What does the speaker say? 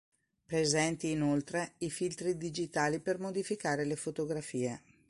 Presenti inoltre i filtri digitali per modificare le fotografie.